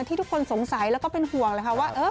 ทุกคนสงสัยแล้วก็เป็นห่วงเลยค่ะว่า